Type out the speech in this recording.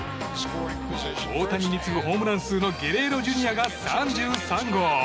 大谷に次ぐホームラン数のゲレーロＪｒ．が３３号。